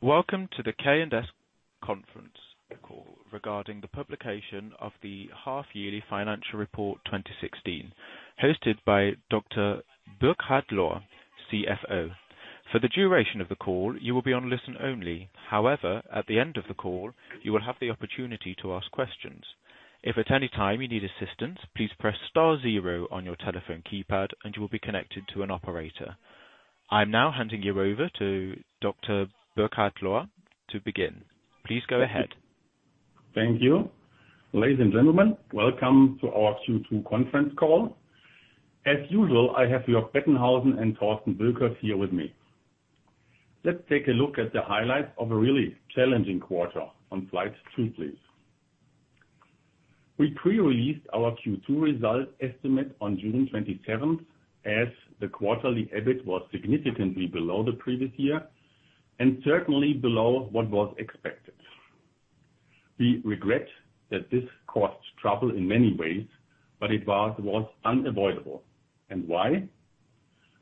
Welcome to the K+S conference call regarding the publication of the half yearly financial report 2016, hosted by Dr. Burkhard Lohr, CFO. For the duration of the call, you will be on listen only. At the end of the call, you will have the opportunity to ask questions. If at any time you need assistance, please press star zero on your telephone keypad and you will be connected to an operator. I'm now handing you over to Dr. Burkhard Lohr to begin. Please go ahead. Thank you. Ladies and gentlemen, welcome to our Q2 conference call. As usual, I have Jörg Bettenhausen and Torsten Wilkers here with me. Let's take a look at the highlights of a really challenging quarter on slide two, please. We pre-released our Q2 result estimate on June 27th as the quarterly EBIT was significantly below the previous year and certainly below what was expected. We regret that this caused trouble in many ways, but it was unavoidable. Why?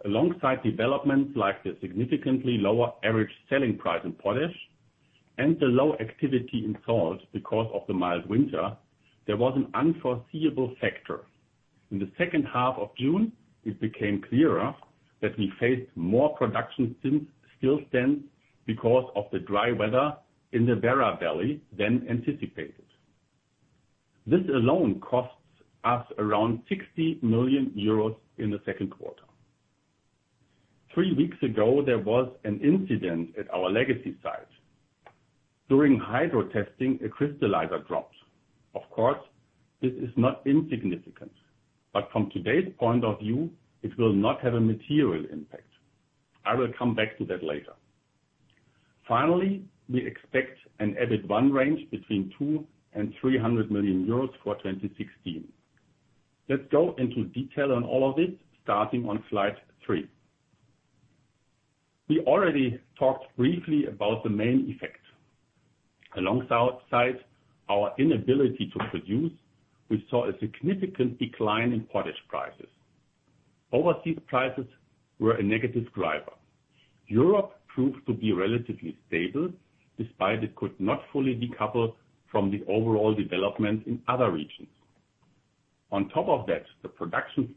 Alongside developments like the significantly lower average selling price in potash and the low activity in salt because of the mild winter, there was an unforeseeable factor. In the second half of June, it became clearer that we faced more production still then because of the dry weather in the Werra Valley than anticipated. This alone costs us around 60 million euros in the second quarter. Three weeks ago, there was an incident at our Legacy site. During hydro testing, a crystallizer dropped. Of course, this is not insignificant, but from today's point of view, it will not have a material impact. I will come back to that later. Finally, we expect an EBIT range between two million and 300 million euros for 2016. Let's go into detail on all of it, starting on slide three. We already talked briefly about the main effect. Alongside our inability to produce, we saw a significant decline in potash prices. Overseas prices were a negative driver. Europe proved to be relatively stable, despite it could not fully decouple from the overall development in other regions. On top of that, the production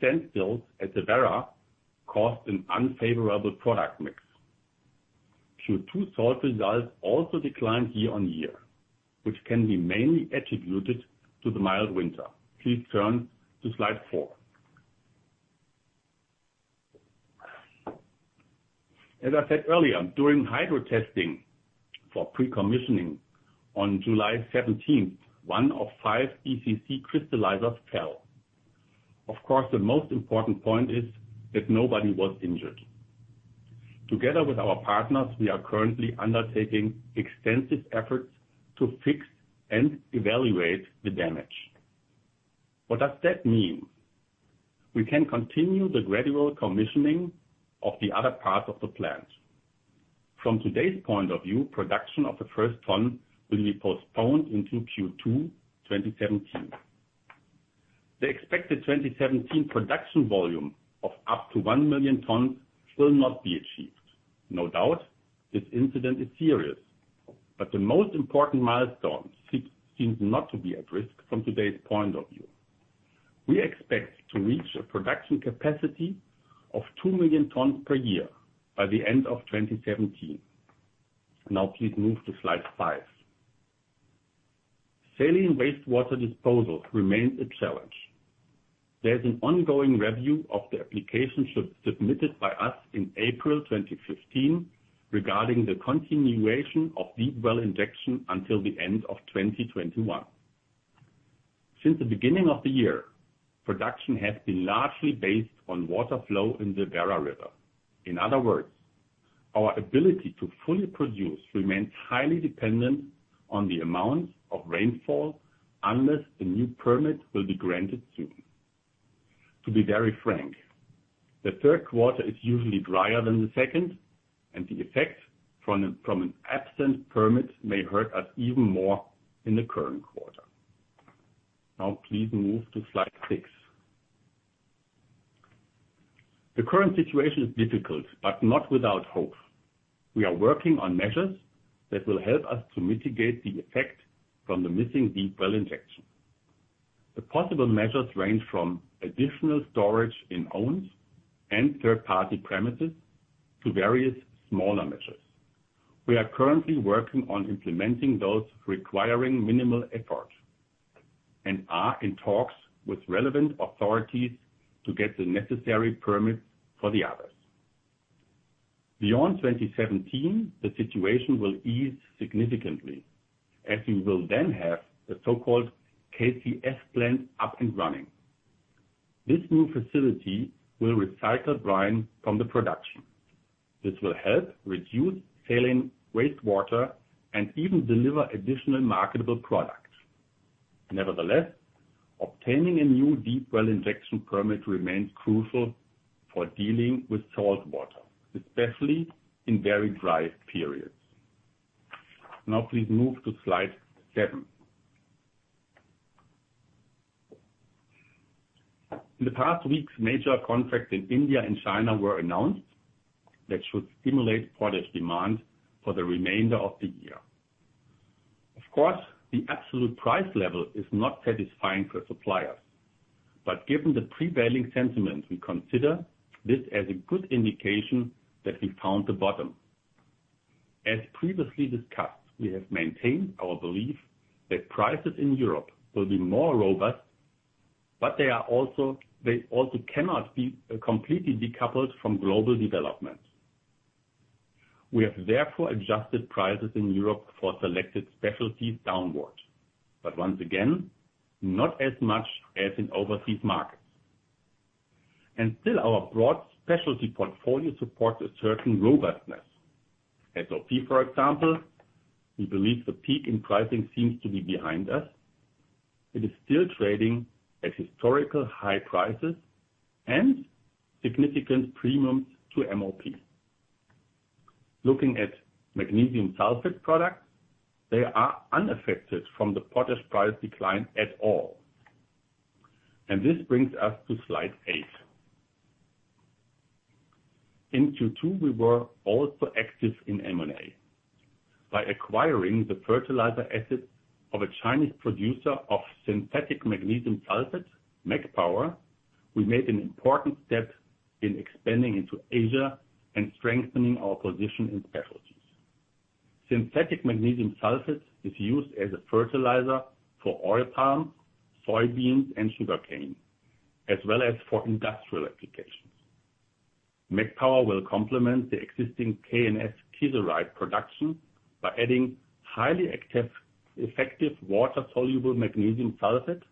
standstill at the Werra caused an unfavorable product mix. Q2 salt results also declined year-on-year, which can be mainly attributed to the mild winter. Please turn to slide four. As I said earlier, during hydro testing for pre-commissioning on July 17th, one of five ECC crystallizers fell. Of course, the most important point is that nobody was injured. Together with our partners, we are currently undertaking extensive efforts to fix and evaluate the damage. What does that mean? We can continue the gradual commissioning of the other parts of the plant. From today's point of view, production of the first ton will be postponed into Q2 2017. The expected 2017 production volume of up to 1 million tons will not be achieved. No doubt, this incident is serious, but the most important milestone seems not to be at risk from today's point of view. We expect to reach a production capacity of 2 million tons per year by the end of 2017. Please move to slide five. Saline wastewater disposal remains a challenge. There is an ongoing review of the application submitted by us in April 2015 regarding the continuation of deep well injection until the end of 2021. Since the beginning of the year, production has been largely based on water flow in the Werra River. In other words, our ability to fully produce remains highly dependent on the amount of rainfall unless a new permit will be granted soon. To be very frank, the third quarter is usually drier than the second, and the effect from an absent permit may hurt us even more in the current quarter. Now please move to slide six. The current situation is difficult, but not without hope. We are working on measures that will help us to mitigate the effect from the missing deep well injection. The possible measures range from additional storage in owned and third-party premises to various smaller measures. We are currently working on implementing those requiring minimal effort and are in talks with relevant authorities to get the necessary permits for the others. Beyond 2017, the situation will ease significantly as we will then have the so-called KCF plant up and running. This new facility will recycle brine from the production. This will help reduce saline wastewater and even deliver additional marketable products. Nevertheless, obtaining a new deep well injection permit remains crucial for dealing with saltwater, especially in very dry periods. Now please move to slide seven. In the past weeks, major contracts in India and China were announced that should stimulate potash demand for the remainder of the year. Of course, the absolute price level is not satisfying for suppliers. Given the prevailing sentiment, we consider this as a good indication that we found the bottom. As previously discussed, we have maintained our belief that prices in Europe will be more robust, but they also cannot be completely decoupled from global developments. We have therefore adjusted prices in Europe for selected specialties downward. Once again, not as much as in overseas markets. Still our broad specialty portfolio supports a certain robustness. SOP, for example, we believe the peak in pricing seems to be behind us. It is still trading at historical high prices and significant premiums to MOP. Looking at magnesium sulfate products, they are unaffected from the potash price decline at all. This brings us to slide eight. In Q2, we were also active in M&A. By acquiring the fertilizer assets of a Chinese producer of synthetic magnesium sulfate, MagPower, we made an important step in expanding into Asia and strengthening our position in specialties. Synthetic magnesium sulfate is used as a fertilizer for oil palm, soybeans, and sugarcane, as well as for industrial applications. MagPower will complement the existing K+S kieserite production by adding highly effective water-soluble magnesium sulfate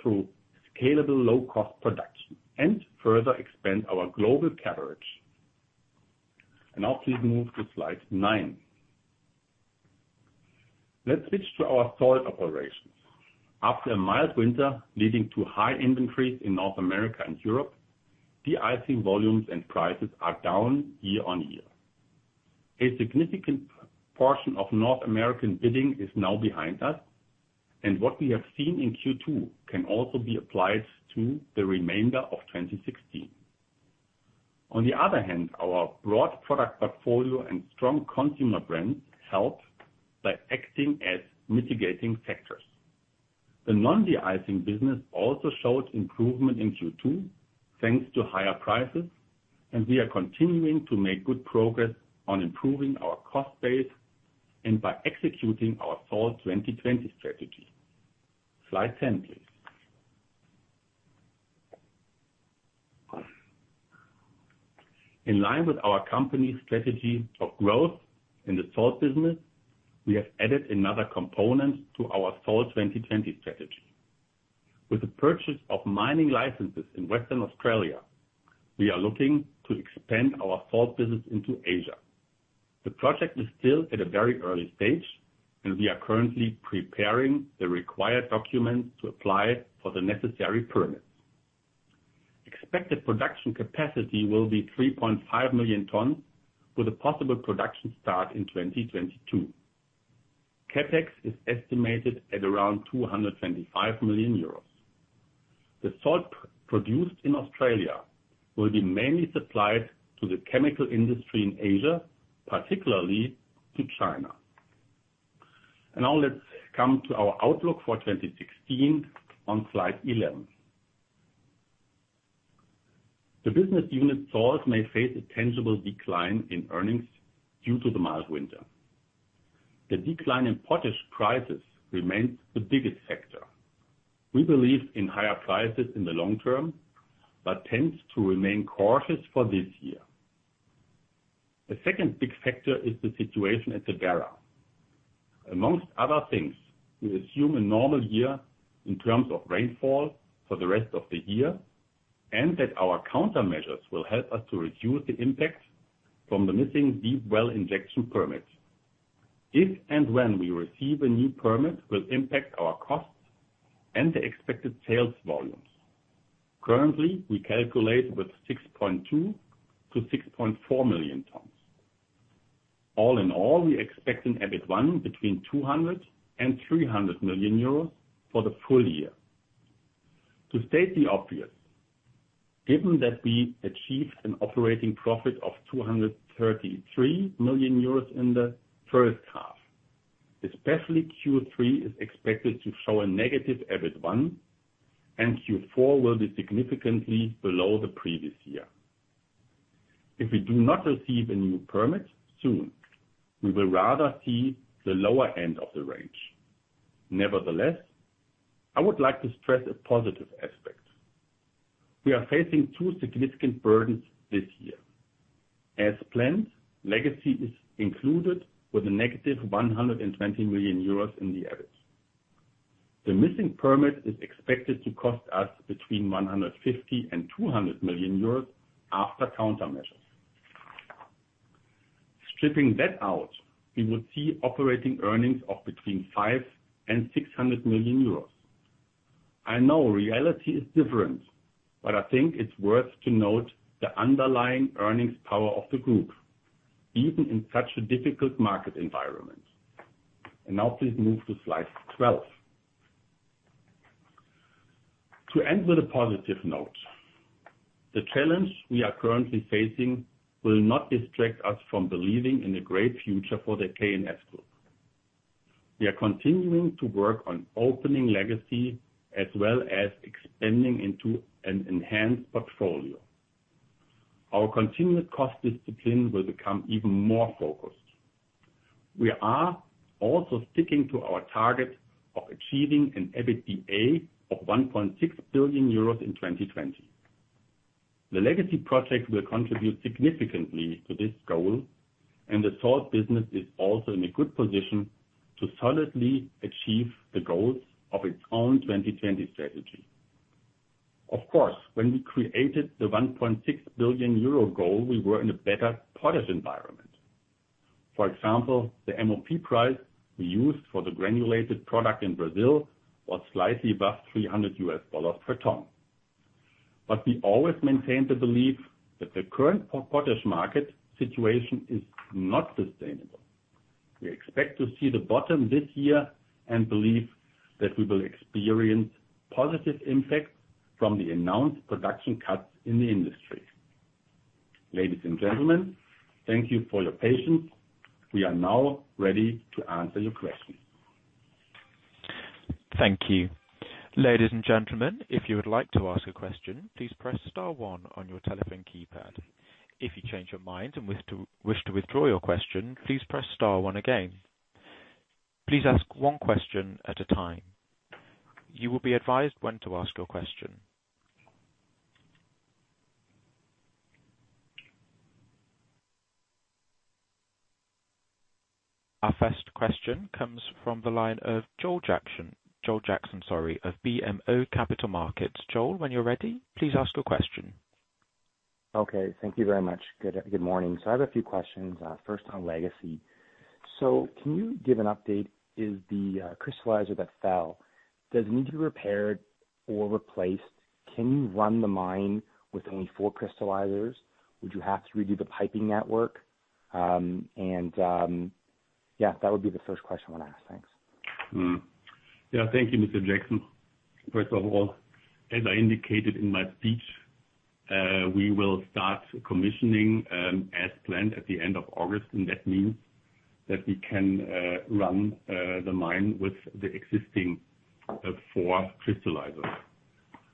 through scalable, low-cost production and further expand our global coverage. Now please move to slide nine. Let's switch to our salt operations. After a mild winter leading to high inventories in North America and Europe, de-icing volumes and prices are down year-on-year. A significant portion of North American bidding is now behind us, and what we have seen in Q2 can also be applied to the remainder of 2016. On the other hand, our broad product portfolio and strong consumer brands help by acting as mitigating factors. The non-de-icing business also showed improvement in Q2, thanks to higher prices. We are continuing to make good progress on improving our cost base by executing our Salt 2020 strategy. Slide 10, please. In line with our company strategy of growth in the salt business, we have added another component to our Salt 2020 strategy. With the purchase of mining licenses in Western Australia, we are looking to expand our salt business into Asia. The project is still at a very early stage. We are currently preparing the required documents to apply for the necessary permits. Expected production capacity will be 3.5 million tons with a possible production start in 2022. CapEx is estimated at around 225 million euros. The salt produced in Australia will be mainly supplied to the chemical industry in Asia, particularly to China. Now let's come to our outlook for 2016 on slide 11. The business unit salts may face a tangible decline in earnings due to the mild winter. The decline in potash prices remains the biggest factor. We believe in higher prices in the long term, but tend to remain cautious for this year. The second big factor is the situation at Werra. Amongst other things, we assume a normal year in terms of rainfall for the rest of the year. Our countermeasures will help us to reduce the impact from the missing deep well injection permit. If and when we receive a new permit will impact our costs and the expected sales volumes. Currently, we calculate with 6.2 million-6.4 million tons. All in all, we expect an EBIT 1 between 200 million euros and 300 million euros for the full year. To state the obvious, given that we achieved an operating profit of 233 million euros in the first half, especially Q3 is expected to show a negative EBIT 1. Q4 will be significantly below the previous year. If we do not receive a new permit soon, we will rather see the lower end of the range. Nevertheless, I would like to stress a positive aspect. We are facing two significant burdens this year. As planned, Legacy is included with a negative 120 million euros in the EBIT. The missing permit is expected to cost us between 150 million and 200 million euros after countermeasures. Stripping that out, we would see operating earnings of between 500 million and 600 million euros. I know reality is different, but I think it's worth to note the underlying earnings power of the group, even in such a difficult market environment. Now please move to slide 12. To end with a positive note, the challenge we are currently facing will not distract us from believing in a great future for the K+S group. We are continuing to work on opening Legacy as well as expanding into an enhanced portfolio. Our continued cost discipline will become even more focused. We are also sticking to our target of achieving an EBITDA of 1.6 billion euros in 2020. The Legacy project will contribute significantly to this goal. The salt business is also in a good position to solidly achieve the goals of its own 2020 strategy. Of course, when we created the 1.6 billion euro goal, we were in a better potash environment. For example, the MOP price we used for the granulated product in Brazil was slightly above $300 per ton. We always maintained the belief that the current potash market situation is not sustainable. We expect to see the bottom this year. We believe that we will experience positive impacts from the announced production cuts in the industry. Ladies and gentlemen, thank you for your patience. We are now ready to answer your questions. Thank you. Ladies and gentlemen, if you would like to ask a question, please press star one on your telephone keypad. If you change your mind and wish to withdraw your question, please press star one again. Please ask one question at a time. You will be advised when to ask your question. Our first question comes from the line of Joel Jackson of BMO Capital Markets. Joel, when you're ready, please ask your question. Okay, thank you very much. Good morning. I have a few questions, first on Legacy. Can you give an update, is the crystallizer that fell, does it need to be repaired or replaced? Can you run the mine with only four crystallizers? Would you have to redo the piping network? That would be the first question I want to ask. Thanks. Thank you, Mr. Jackson. First of all, as I indicated in my speech, we will start commissioning, as planned, at the end of August. That means that we can run the mine with the existing four crystallizers.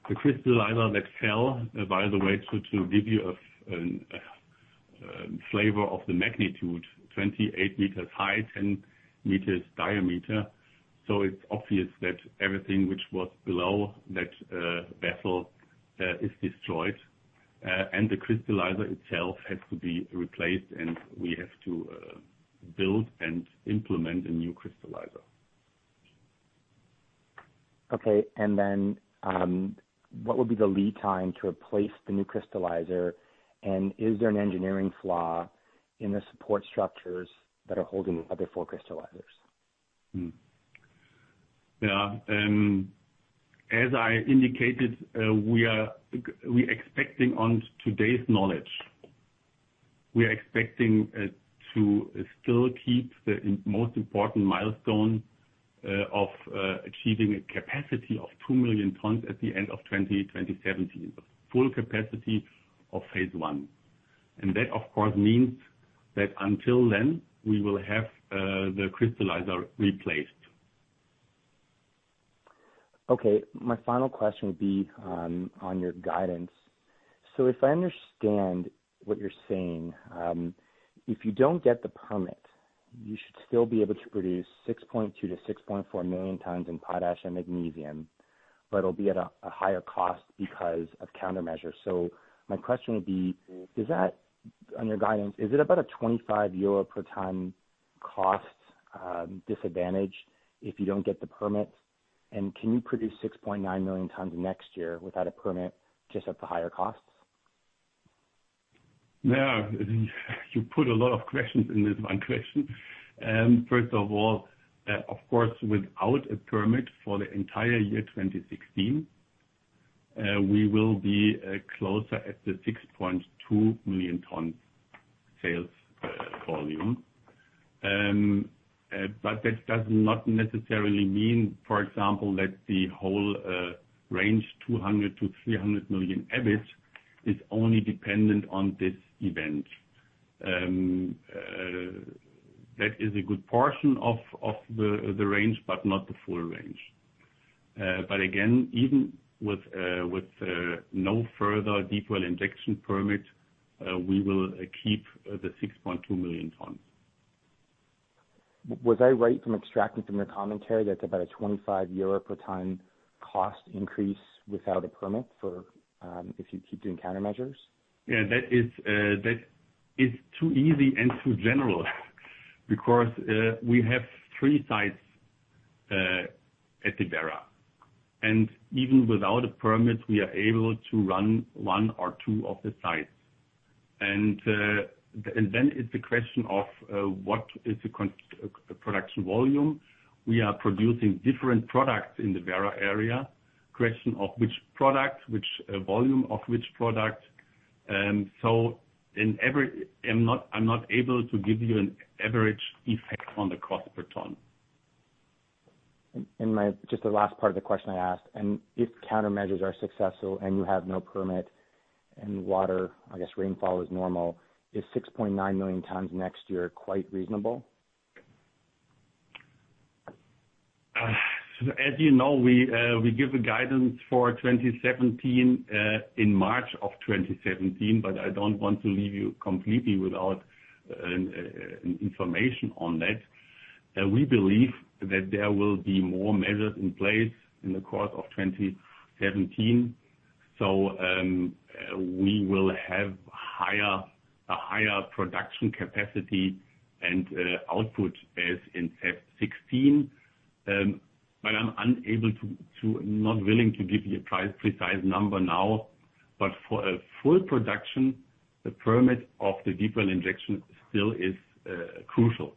The crystallizer that fell, by the way, to give you a flavor of the magnitude, 28 meters high, 10 meters diameter. It's obvious that everything which was below that vessel is destroyed. The crystallizer itself has to be replaced. We have to build and implement a new crystallizer. Okay, what would be the lead time to replace the new crystallizer? Is there an engineering flaw in the support structures that are holding the other four crystallizers? Yeah. As I indicated, we are expecting on today's knowledge, we are expecting to still keep the most important milestone of achieving a capacity of 2 million tons at the end of 2017, full capacity of phase I. That, of course, means that until then, we will have the crystallizer replaced. Okay. My final question would be on your guidance. If I understand what you're saying, if you don't get the permit, you should still be able to produce 6.2 to 6.4 million tons in potash and magnesium, but it will be at a higher cost because of countermeasures. My question would be, does that, on your guidance, is it about a 25 euro per ton cost disadvantage if you don't get the permit? Can you produce 6.9 million tons next year without a permit, just at the higher costs? Yeah. You put a lot of questions in this one question. First of all, of course, without a permit for the entire year 2016, we will be closer at the 6.2 million tons sales volume. That does not necessarily mean, for example, that the whole range, 200 to 300 million EBIT, is only dependent on this event. That is a good portion of the range, but not the full range. Again, even with no further deep-well injection permit, we will keep the 6.2 million tons. Was I right from extracting from your commentary that it's about a 25 euro per ton cost increase without a permit if you keep doing countermeasures? Yeah, that is too easy and too general because we have three sites at Werra, even without a permit, we are able to run one or two of the sites. Then it's the question of what is the production volume. We are producing different products in the Werra area. Question of which product, which volume of which product. I'm not able to give you an average effect on the cost per ton. Just the last part of the question I asked, and if countermeasures are successful and you have no permit and water, I guess rainfall is normal, is 6.9 million tons next year quite reasonable? As you know, we give a guidance for 2017 in March of 2017, I don't want to leave you completely without information on that. We believe that there will be more measures in place in the course of 2017. We will have a higher production capacity and output as in FY 2016. I'm not willing to give you a precise number now, for a full production, the permit of the deep well injection still is crucial.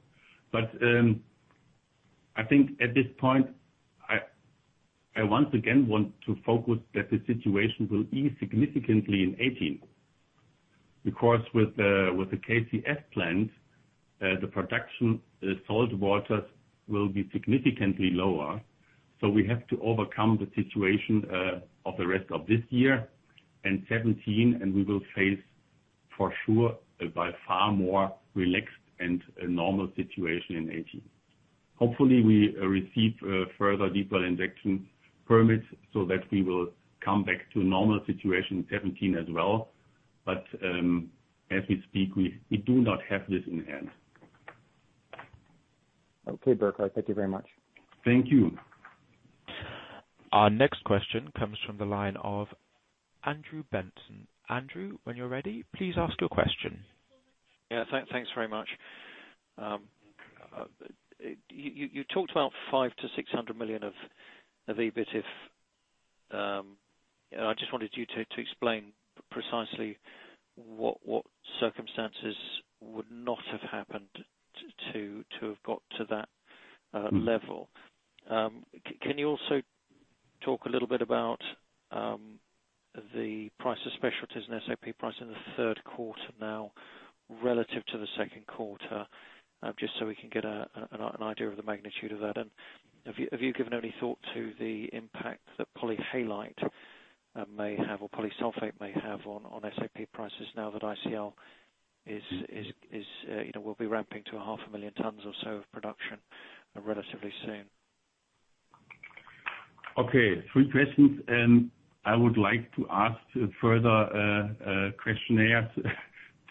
I think at this point, I once again want to focus that the situation will ease significantly in 2018. Because with the KCF plant, the production salt waters will be significantly lower. We have to overcome the situation of the rest of this year and 2017, and we will face for sure a by far more relaxed and normal situation in 2018. Hopefully, we receive further deep well injection permits so that we will come back to a normal situation in 2017 as well. As we speak, we do not have this in hand. Okay, Burkhard, thank you very much. Thank you. Our next question comes from the line of Andrew Benson. Andrew, when you're ready, please ask your question. Yeah. Thanks very much. You talked about 500 million to 600 million of EBIT. I just wanted you to explain precisely what circumstances would not have happened to have got to that level. Can you also talk a little bit about the price of specialties and SOP price in the third quarter now relative to the second quarter, just so we can get an idea of the magnitude of that? Have you given any thought to the impact that polyhalite may have, or Polysulphate may have on SOP prices now that ICL will be ramping to a half a million tons or so of production relatively soon? Okay. Three questions, and I would like to ask further questionnaires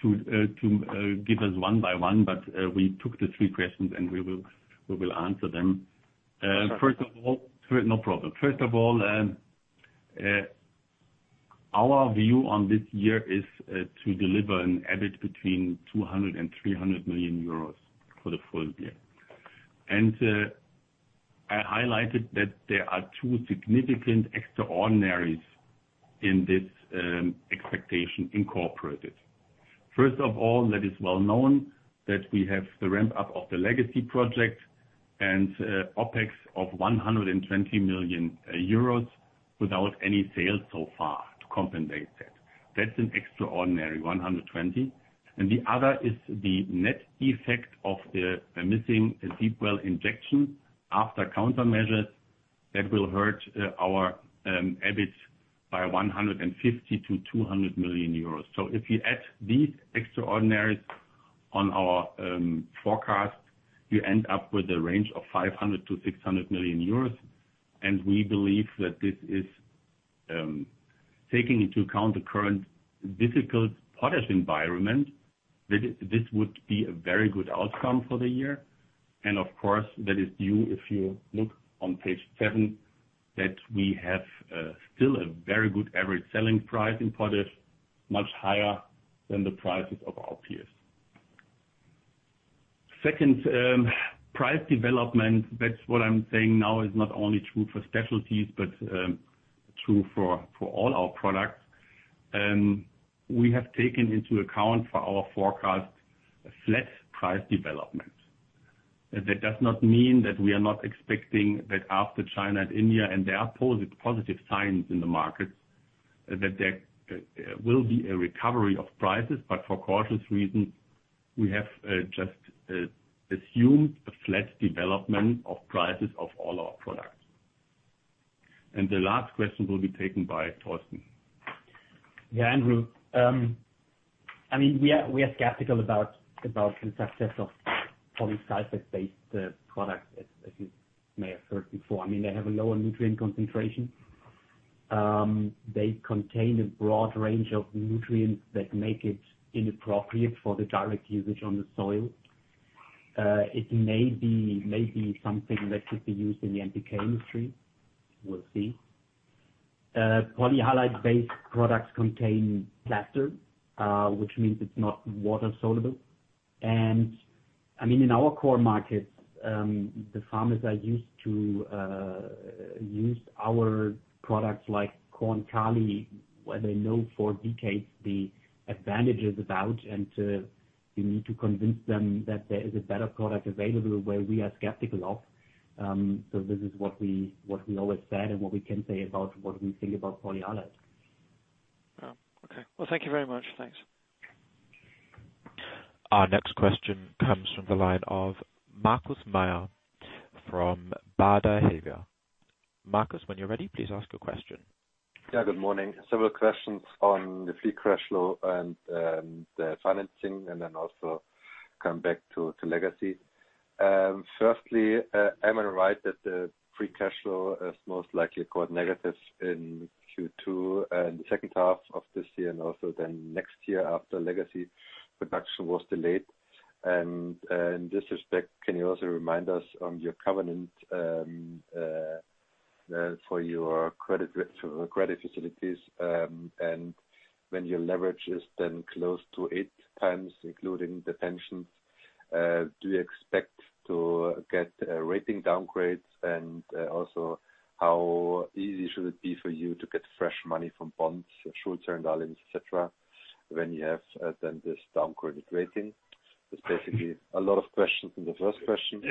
to give us one by one, but we took the three questions and we will answer them. No problem. First of all, our view on this year is to deliver an EBIT between 200 million euros and 300 million euros for the full year. I highlighted that there are two significant extraordinaries in this expectation incorporated. First of all, that is well known that we have the ramp up of the Legacy project and OpEx of 120 million euros without any sales so far to compensate that. That's an extraordinary 120 million. The other is the net effect of the missing deep well injection after countermeasures that will hurt our EBIT by 150 million to 200 million euros. If you add these extraordinaries on our forecast, you end up with a range of 500 million to 600 million euros. We believe that this is taking into account the current difficult potash environment, that this would be a very good outcome for the year. Of course, that is due, if you look on page seven, that we have still a very good average selling price in potash, much higher than the prices of our peers. Second, price development. That's what I'm saying now is not only true for specialties, but true for all our products. We have taken into account for our forecast a flat price development. That does not mean that we are not expecting that after China and India, and there are positive signs in the market, that there will be a recovery of prices. For cautious reasons, we have just assumed a flat development of prices of all our products. The last question will be taken by Torsten. Yeah, Andrew. We are skeptical about the success of Polysulphate-based products, as you may have heard before. They have a lower nutrient concentration. They contain a broad range of nutrients that make it inappropriate for the direct usage on the soil. It may be something that could be used in the NPK industry. We'll see. Polyhalite-based products contain plaster, which means it's not water soluble. In our core markets, the farmers that used our products like Korn-KALI, where they know for decades the advantages about, and to you need to convince them that there is a better product available where we are skeptical of. This is what we always said and what we can say about what we think about polyhalite. Okay. Thank you very much. Thanks. Our next question comes from the line of Markus Mayer from Baader Helvea. Markus, when you are ready, please ask your question. Good morning. Several questions on the free cash flow and the financing and also come back to Legacy. Firstly, am I right that the free cash flow is most likely quite negative in Q2 in the second half of this year and also next year after Legacy production was delayed? In this respect, can you also remind us on your covenant for your credit facilities and when your leverage is then close to 8 times, including the pensions? Do you expect to get a rating downgrade? Also, how easy should it be for you to get fresh money from bonds, Schuldscheine and others, et cetera, when you have then this down credit rating? It's basically a lot of questions in the first question.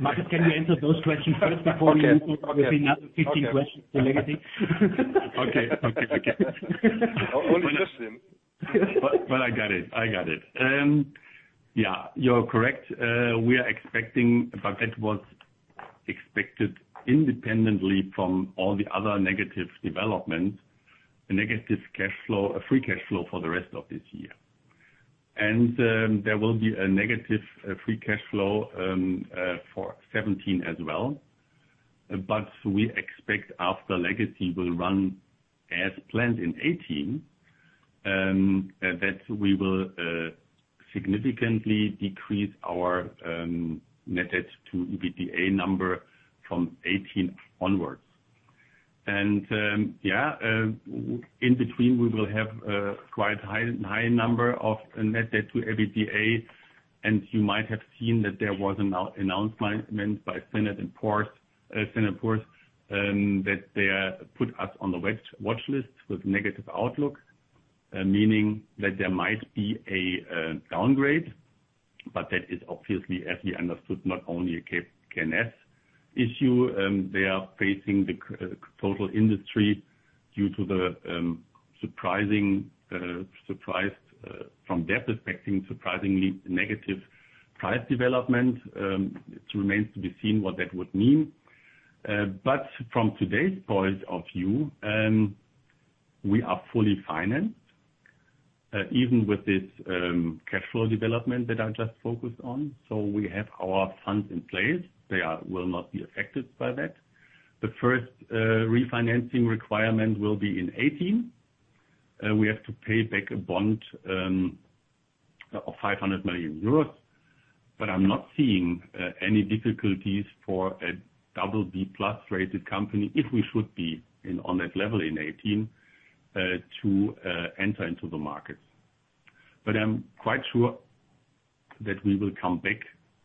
Markus, can you answer those questions first before you Okay. 15 questions for Legacy? I got it. You're correct. We are expecting, but that was expected independently from all the other negative developments, a negative cash flow, a free cash flow for the rest of this year. There will be a negative free cash flow for 2017 as well. We expect after Legacy will run as planned in 2018, that we will significantly decrease our net debt to EBITDA number from 2018 onwards. In between, we will have a quite high number of net debt to EBITDA. You might have seen that there was an announcement by Standard & Poor's that they put us on the watch list with negative outlook, meaning that there might be a downgrade, but that is obviously, as we understood, not only a K+S issue. They are facing the total industry due to the surprise from debt affecting surprisingly negative price development. It remains to be seen what that would mean. From today's point of view, we are fully financed, even with this cash flow development that I just focused on. We have our funds in place. They will not be affected by that. The first refinancing requirement will be in 2018. We have to pay back a bond of 500 million euros, I'm not seeing any difficulties for a BB+ rated company, if we should be on that level in 2018, to enter into the market. I'm quite sure that we will come back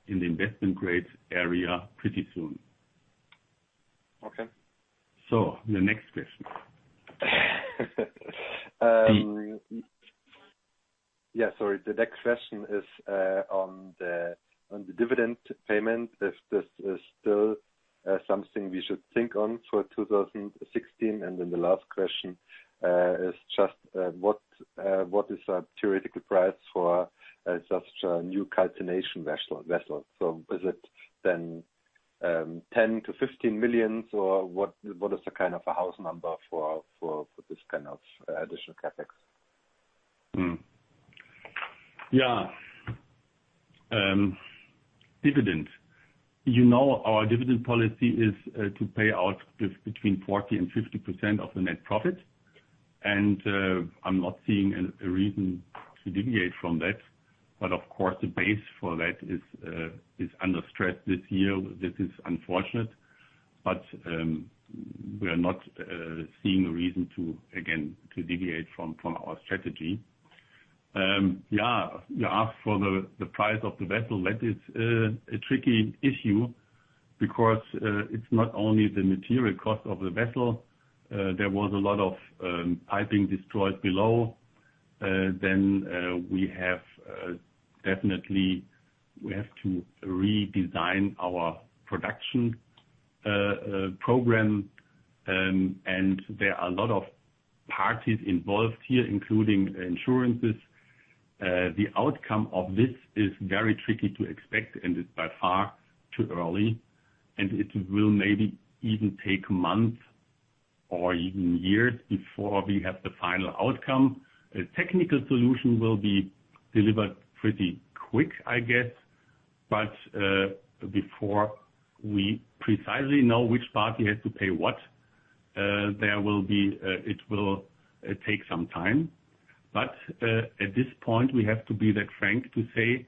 in the investment-grade area pretty soon. The next question is on the dividend payment, if this is still something we should think on for 2016. Then the last question is just what is a theoretical price for such a new calcination vessel? Is it then 10 million-15 million, or what is the kind of a house number for this kind of additional CapEx? Dividend. You know our dividend policy is to pay out between 40%-50% of the net profit. I'm not seeing a reason to deviate from that. Of course, the base for that is under stress this year. This is unfortunate, we are not seeing a reason to, again, deviate from our strategy. You asked for the price of the vessel. That is a tricky issue because it's not only the material cost of the vessel. There was a lot of piping destroyed below. We have definitely to redesign our production program. There are a lot of parties involved here, including insurances. The outcome of this is very tricky to expect, it's by far too early, it will maybe even take months or even years before we have the final outcome. A technical solution will be delivered pretty quick, I guess. Before we precisely know which party has to pay what, it will take some time. At this point, we have to be that frank to say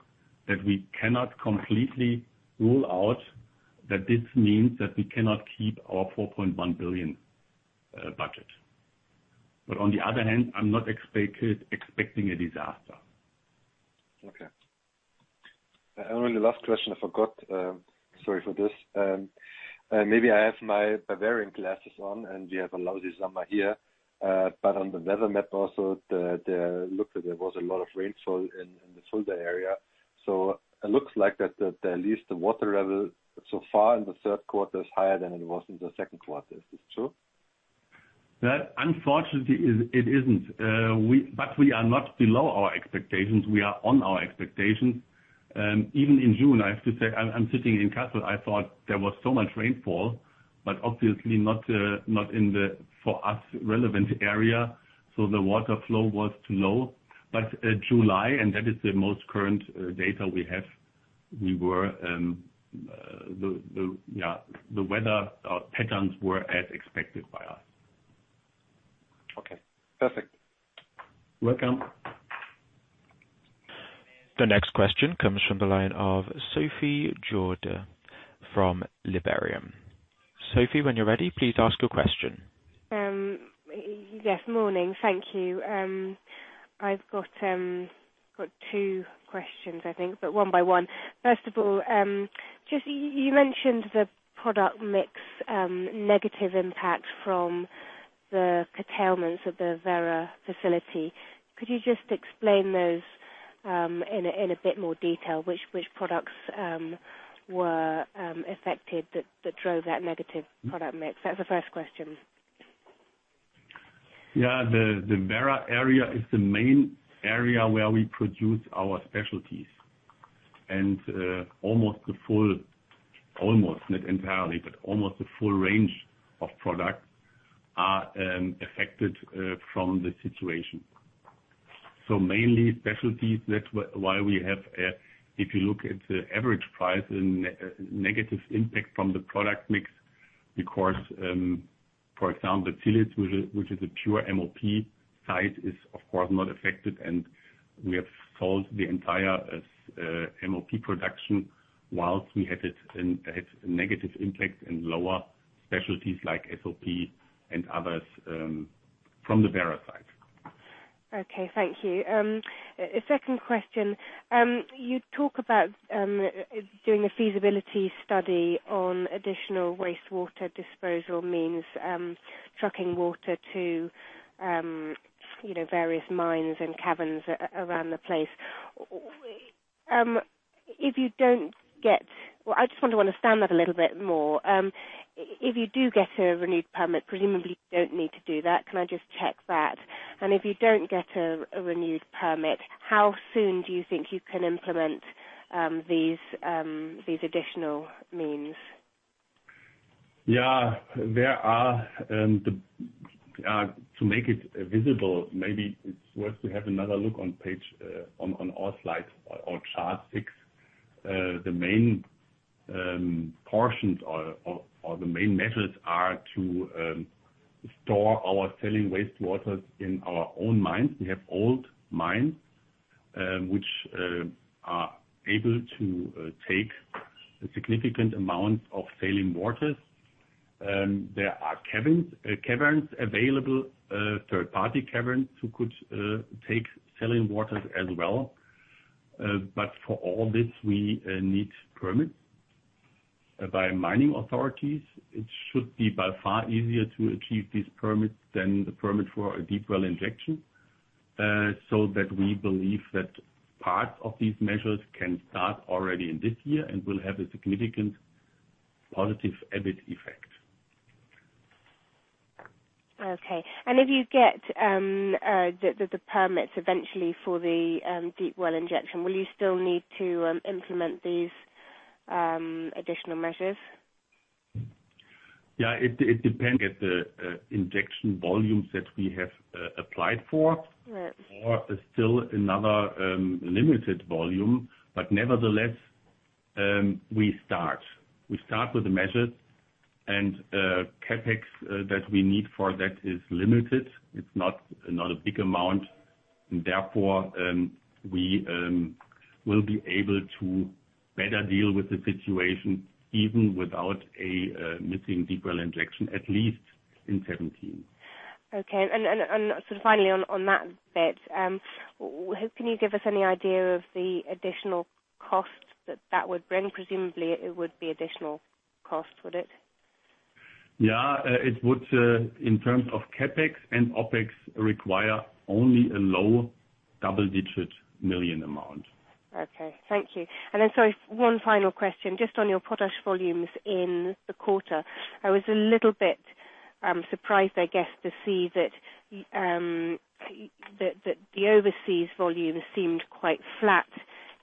that we cannot completely rule out that this means that we cannot keep our 4.1 billion budget. On the other hand, I'm not expecting a disaster. Okay. Aaron, the last question I forgot. Sorry for this. Maybe I have my Bavarian glasses on and we have a lousy summer here. On the weather map also, it looked that there was a lot of rainfall in the Solvay area. It looks like that at least the water level so far in the third quarter is higher than it was in the second quarter. Is this true? Unfortunately, it isn't. We are not below our expectations. We are on our expectations. Even in June, I have to say, I'm sitting in Kassel, I thought there was so much rainfall. Obviously not in the, for us, relevant area, the water flow was too low. July, and that is the most current data we have, the weather patterns were as expected by us. Okay, perfect. Welcome. The next question comes from the line of Sophie Jourdier from Liberum. Sophie, when you're ready, please ask your question. Yes, morning. Thank you. I've got two questions I think, but one by one. First of all, just you mentioned the product mix negative impact from the curtailments of the Werra facility. Could you just explain those in a bit more detail? Which products were affected that drove that negative product mix? That's the first question. Yeah. The Werra area is the main area where we produce our specialties. Almost the full, not entirely, but almost the full range of products are affected from the situation. Mainly specialties. That's why we have, if you look at the average price and negative impact from the product mix, because, for example, Zielitz, which is a pure MOP site, is of course not affected and we have sold the entire MOP production whilst we had a negative impact in lower specialties like SOP and others from the Werra side. Okay, thank you. A second question. You talk about doing a feasibility study on additional wastewater disposal means, trucking water to various mines and caverns around the place. I just want to understand that a little bit more. If you do get a renewed permit, presumably you don't need to do that. Can I just check that? If you don't get a renewed permit, how soon do you think you can implement these additional means? Yeah. To make it visible, maybe it's worth to have another look on our chart six. The main portions or the main methods are to store our saline wastewaters in our own mines. We have old mines which are able to take a significant amount of saline waters. There are caverns available, third-party caverns, who could take saline waters as well. For all this, we need permits by mining authorities. It should be by far easier to achieve these permits than the permit for a deep well injection. That we believe that part of these measures can start already in this year and will have a significant positive EBIT effect. Okay. If you get the permits eventually for the deep well injection, will you still need to implement these additional measures? Yeah, it depends on the injection volumes that we have applied for. Right. Still another limited volume. Nevertheless, we start with the measures and CapEx that we need for that is limited. It is not a big amount and therefore we will be able to better deal with the situation even without a missing deep well injection, at least in 2017. Okay. Finally on that bit, can you give us any idea of the additional costs that that would bring? Presumably it would be additional cost, would it? Yeah. It would, in terms of CapEx and OpEx, require only a low double-digit million amount. Okay. Thank you. Then, sorry, one final question. Just on your potash volumes in the quarter. I was a little bit surprised, I guess, to see that the overseas volumes seemed quite flat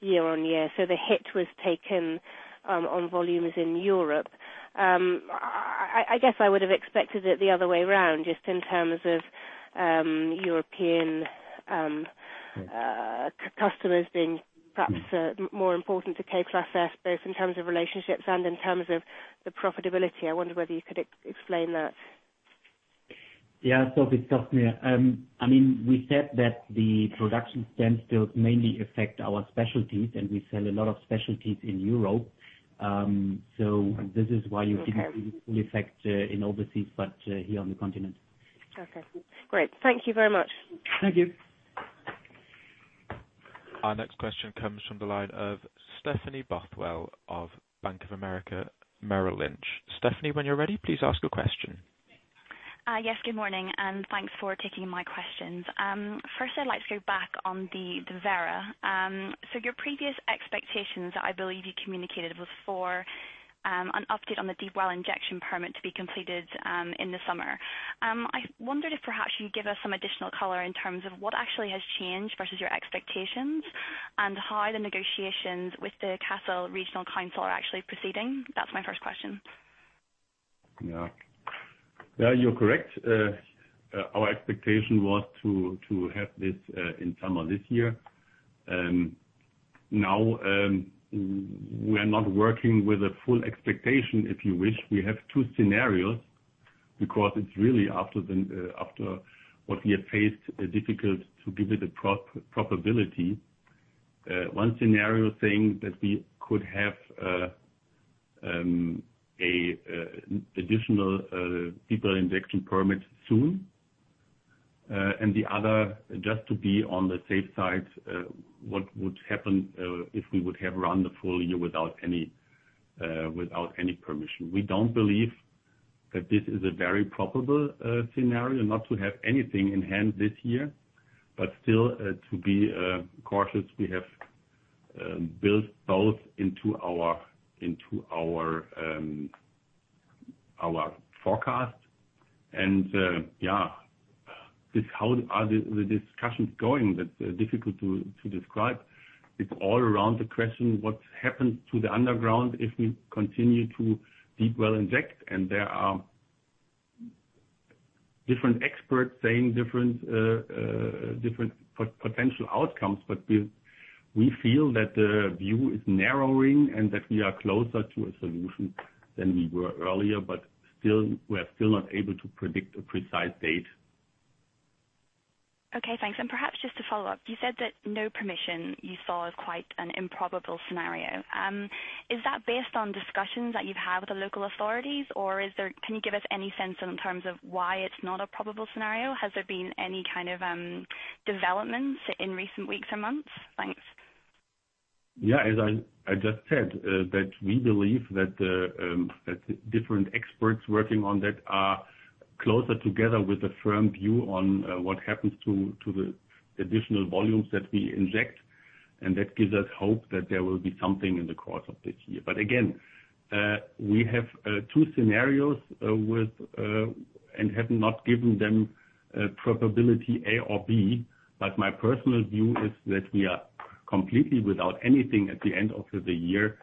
year-on-year. The hit was taken on volumes in Europe. I guess I would have expected it the other way around, just in terms of European customers being perhaps more important to K+S, both in terms of relationships and in terms of the profitability. I wonder whether you could explain that. Yeah. Sophie, it's Kai. We said that the production standstill mainly affect our specialties, and we sell a lot of specialties in Europe. This is why you didn't see the full effect in overseas, but here on the continent. Okay, great. Thank you very much. Thank you. Our next question comes from the line of Stephanie Bothwell of Bank of America Merrill Lynch. Stephanie, when you're ready, please ask a question. Good morning, and thanks for taking my questions. First, I'd like to go back on the Werra. Your previous expectations, I believe you communicated, was for an update on the deep well injection permit to be completed in the summer. I wondered if perhaps you'd give us some additional color in terms of what actually has changed versus your expectations, and how the negotiations with the Kassel Regional Council are actually proceeding. That's my first question. You're correct. Our expectation was to have this in summer this year. We are not working with a full expectation, if you wish. We have two scenarios because it's really after what we have faced, difficult to give it a probability. One scenario saying that we could have additional deeper injection permits soon, and the other, just to be on the safe side, what would happen if we would have run the full year without any permission. We don't believe that this is a very probable scenario, not to have anything in hand this year, but still to be cautious, we have built both into our forecast. How are the discussions going? That's difficult to describe. It's all around the question, what happens to the underground if we continue to deep well inject? There are different experts saying different potential outcomes. We feel that the view is narrowing and that we are closer to a solution than we were earlier, but we are still not able to predict a precise date. Okay, thanks. Perhaps just to follow up, you said that no permission you saw as quite an improbable scenario. Is that based on discussions that you've had with the local authorities, or can you give us any sense in terms of why it's not a probable scenario? Has there been any kind of developments in recent weeks or months? Thanks. As I just said, that we believe that the different experts working on that are closer together with a firm view on what happens to the additional volumes that we inject, and that gives us hope that there will be something in the course of this year. Again, we have two scenarios and have not given them probability A or B, my personal view is that we are completely without anything at the end of the year,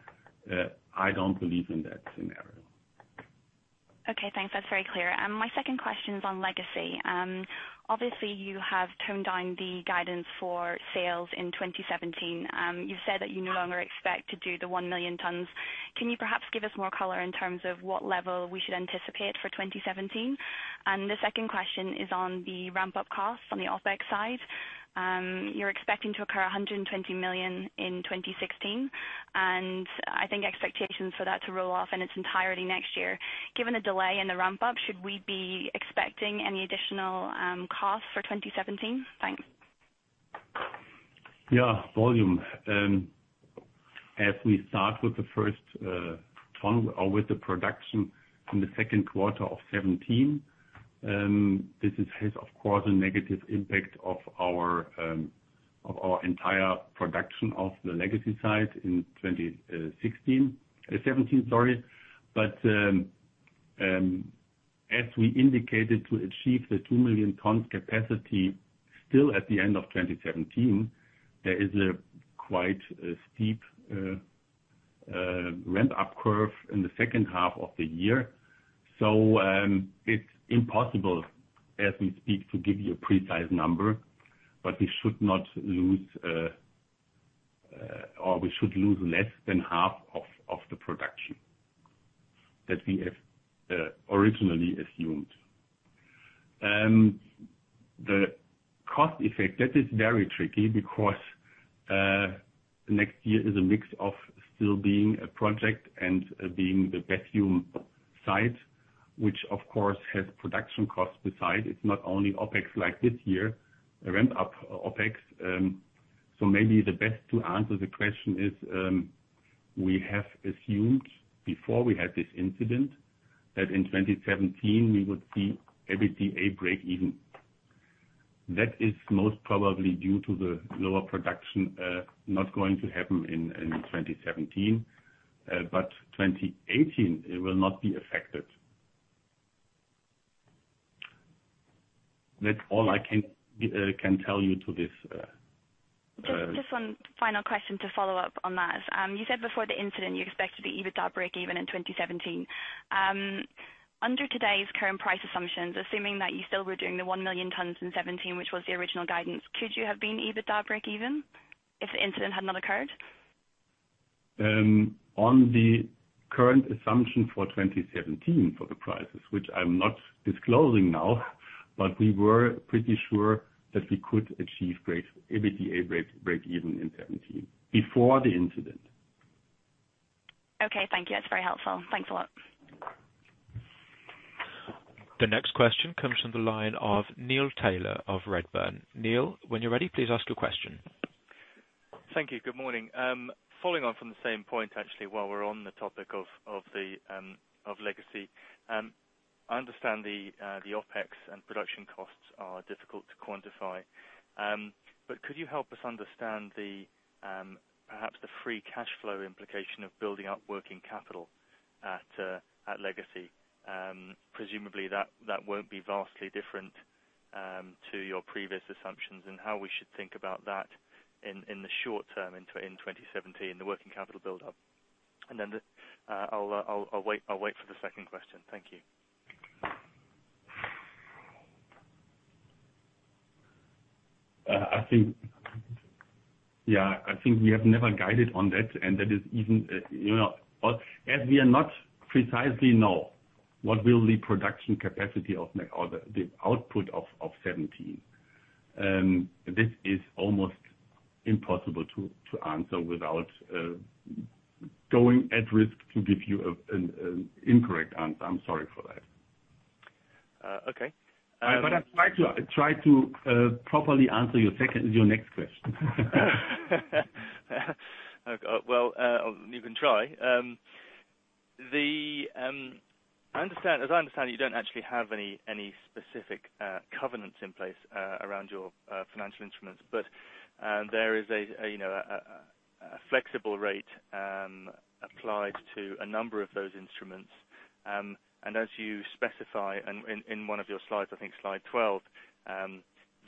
I don't believe in that scenario. Okay, thanks. That's very clear. My second question is on Legacy. Obviously, you have toned down the guidance for sales in 2017. You've said that you no longer expect to do the 1 million tons. Can you perhaps give us more color in terms of what level we should anticipate for 2017? The second question is on the ramp-up costs on the OpEx side. You're expecting to incur 120 million in 2016, and I think expectations for that to roll off in its entirety next year. Given the delay in the ramp-up, should we be expecting any additional costs for 2017? Thanks. Volume. We start with the first ton or with the production in the second quarter of 2017, this has, of course, a negative impact of our entire production of the Legacy site in 2016. 2017, sorry. As we indicated, to achieve the 2 million tons capacity still at the end of 2017, there is a quite steep ramp-up curve in the second half of the year. It's impossible as we speak to give you a precise number, but we should lose less than half of the production that we have originally assumed. The cost effect, that is very tricky because next year is a mix of still being a project and being the vacuum site, which of course, has production costs beside, it's not only OpEx like this year, ramp-up OpEx. Maybe the best to answer the question is, we have assumed before we had this incident that in 2017 we would see EBITDA break even. That is most probably due to the lower production not going to happen in 2017, but 2018 it will not be affected. That's all I can tell you to this. Just one final question to follow up on that. You said before the incident you expected the EBITDA break even in 2017. Under today's current price assumptions, assuming that you still were doing the 1 million tons in 2017, which was the original guidance, could you have been EBITDA break even if the incident had not occurred? On the current assumption for 2017 for the prices, which I'm not disclosing now, but we were pretty sure that we could achieve EBITDA break even in 2017, before the incident. Okay, thank you. That's very helpful. Thanks a lot. The next question comes from the line of Neil Tyler of Redburn. Neil, when you're ready, please ask your question. Thank you. Good morning. Following on from the same point, actually, while we're on the topic of Legacy. I understand the OpEx and production costs are difficult to quantify. Could you help us understand perhaps the free cash flow implication of building up working capital at Legacy? Presumably that won't be vastly different to your previous assumptions, and how we should think about that in the short term in 2017, the working capital buildup. Then I'll wait for the second question. Thank you. I think we have never guided on that. As we do not precisely know what will be production capacity or the output of 2017. This is almost impossible to answer without going at risk to give you an incorrect answer. I'm sorry for that. Okay. I try to properly answer your next question. Well, you can try. As I understand, you don't actually have any specific covenants in place around your financial instruments, but there is a flexible rate applied to a number of those instruments. As you specify in one of your slides, I think slide 12,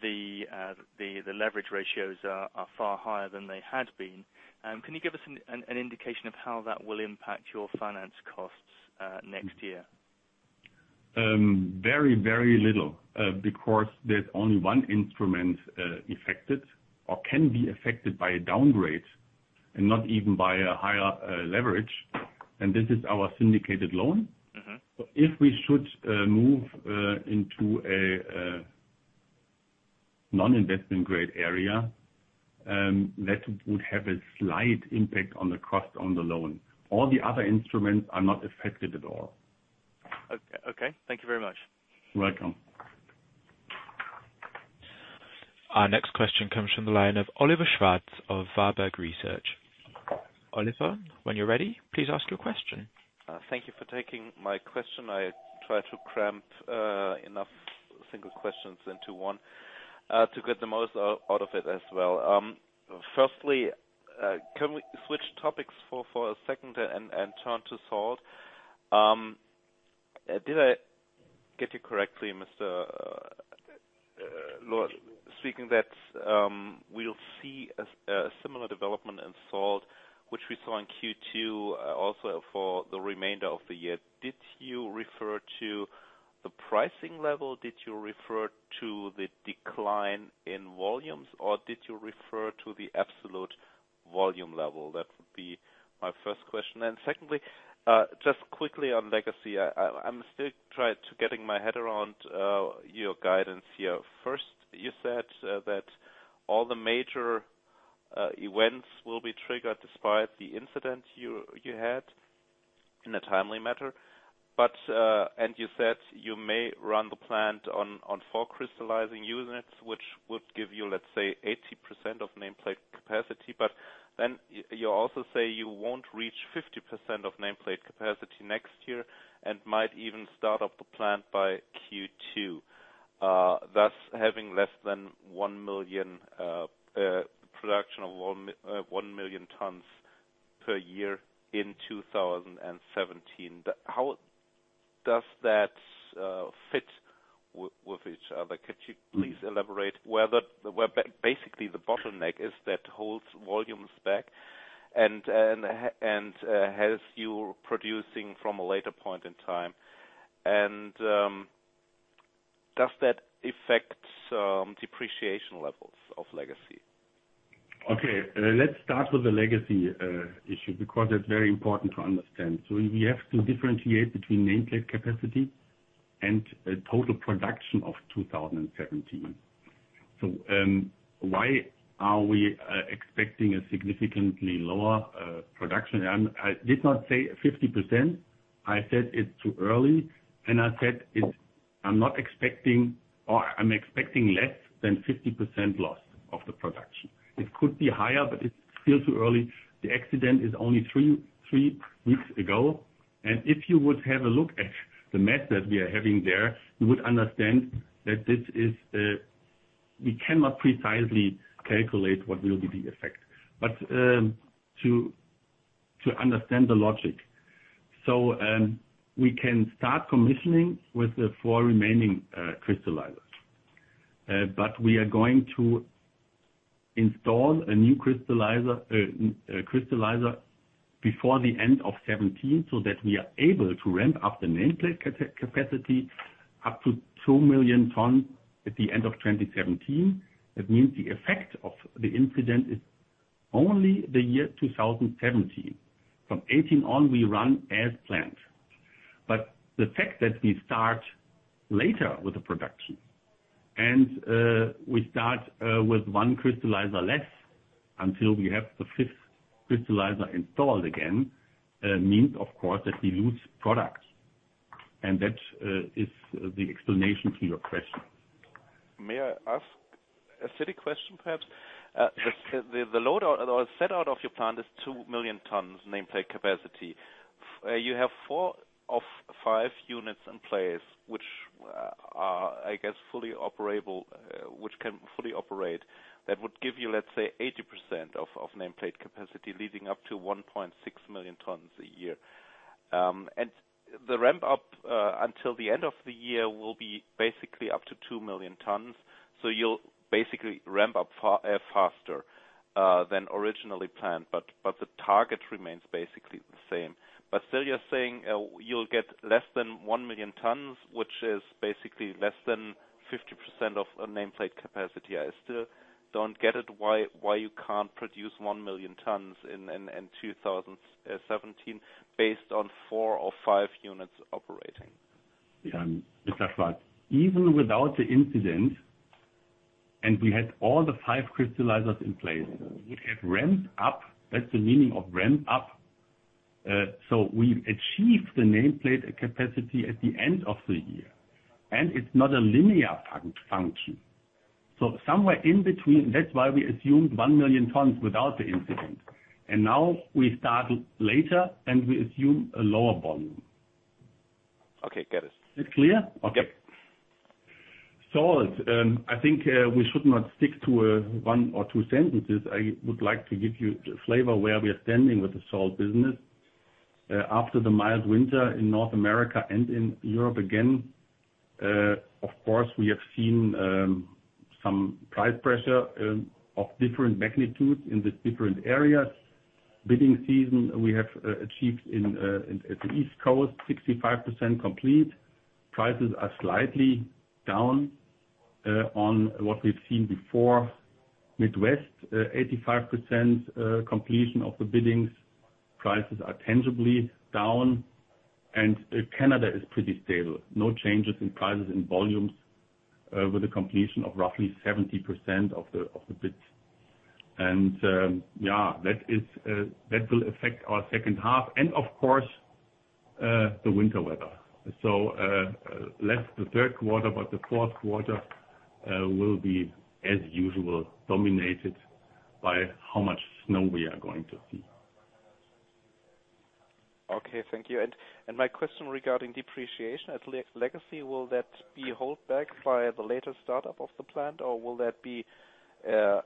the leverage ratios are far higher than they had been. Can you give us an indication of how that will impact your finance costs next year? Very little, because there's only one instrument affected or can be affected by a downgrade and not even by a higher leverage. This is our syndicated loan. If we should move into a non-investment grade area, that would have a slight impact on the cost on the loan. All the other instruments are not affected at all. Okay. Thank you very much. You are welcome. Our next question comes from the line of Oliver Schwarz of Warburg Research. Oliver, when you are ready, please ask your question. Thank you for taking my question. I try to cram enough single questions into one to get the most out of it as well. Firstly, can we switch topics for a second and turn to Salt? Did I get you correctly, Mr. Lohr speaking, that we will see a similar development in Salt, which we saw in Q2 also for the remainder of the year. Did you refer to the pricing level? Did you refer to the decline in volumes, or did you refer to the absolute volume level? That would be my first question. Secondly, just quickly on Legacy. I am still trying to get my head around your guidance here. First, you said that all the major events will be triggered despite the incident you had in a timely matter. You said you may run the plant on four crystallizing units, which would give you, let's say, 80% of nameplate capacity. You also say you won't reach 50% of nameplate capacity next year and might even start up the plant by Q2. Thus having less than production of 1 million tons per year in 2017. How does that fit with each other? Could you please elaborate where basically the bottleneck is that holds volumes back and has you producing from a later point in time? Does that affect depreciation levels of Legacy? Let's start with the Legacy issue, because it's very important to understand. We have to differentiate between nameplate capacity and total production of 2017. Why are we expecting a significantly lower production? I did not say 50%. I said it's too early, and I said I'm expecting less than 50% loss of the production. It could be higher, but it's still too early. The accident is only three weeks ago. If you would have a look at the method we are having there, you would understand that we cannot precisely calculate what will be the effect. To understand the logic. We can start commissioning with the four remaining crystallizers. We are going to install a new crystallizer before the end of 2017, so that we are able to ramp up the nameplate capacity up to 2 million tons at the end of 2017. That means the effect of the incident is only the year 2017. From 2018 on, we run as planned. The fact that we start later with the production. We start with one crystallizer less until we have the fifth crystallizer installed again. Means, of course, that we lose product, and that is the explanation to your question. May I ask a silly question, perhaps? Yes. The load out or set out of your plant is 2 million tons nameplate capacity. You have 4 of 5 units in place, which are, I guess, fully operable, which can fully operate. That would give you, let's say, 80% of nameplate capacity, leading up to 1.6 million tons a year. The ramp-up, until the end of the year, will be basically up to 2 million tons. You'll basically ramp up faster than originally planned, but the target remains basically the same. Still you're saying you'll get less than 1 million tons, which is basically less than 50% of nameplate capacity. I still don't get it why you can't produce 1 million tons in 2017 based on 4 or 5 units operating. Mr. Schwarz, even without the incident, we had all the 5 crystallizers in place, we have ramped up. That's the meaning of ramp up. We achieved the nameplate capacity at the end of the year. It's not a linear function. Somewhere in between. That's why we assumed 1 million tons without the incident. Now we start later, and we assume a lower volume. Okay. Get it. Is it clear? Yep. Okay. Salt. I think we should not stick to one or two sentences. I would like to give you the flavor of where we are standing with the salt business. After the mild winter in North America and in Europe again, of course, we have seen some price pressure of different magnitudes in the different areas. Bidding season, we have achieved in the East Coast 65% complete. Prices are slightly down on what we've seen before. Midwest, 85% completion of the biddings. Prices are tangibly down. Canada is pretty stable. No changes in prices and volumes with the completion of roughly 70% of the bids. That will affect our second half and, of course, the winter weather. Less the third quarter, but the fourth quarter will be, as usual, dominated by how much snow we are going to see. Okay. Thank you. My question regarding depreciation at Legacy, will that be held back by the later startup of the plant, or will that be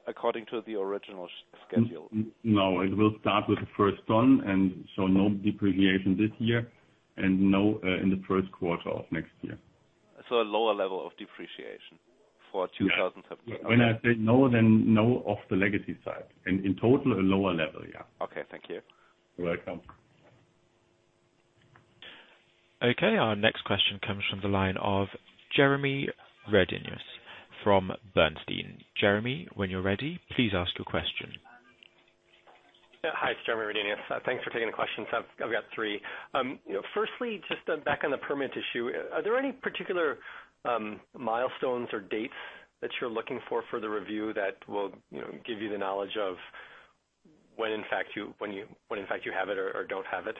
according to the original schedule? No, it will start with the first ton, no depreciation this year and no in the first quarter of next year. A lower level of depreciation for 2017. When I say no off the Legacy side. In total, a lower level. Yeah. Okay. Thank you. You're welcome. Okay. Our next question comes from the line of Jeremy Redenius from Bernstein. Jeremy, when you're ready, please ask your question. Hi, it's Jeremy Redenius. Thanks for taking the questions. I've got three. Firstly, just back on the permit issue, are there any particular milestones or dates that you're looking for the review that will give you the knowledge of when in fact you have it or don't have it?